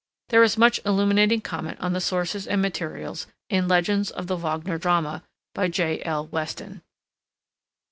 There is much illuminating comment on the sources and materials in "Legends of the Wagner Drama" by J. L. Weston.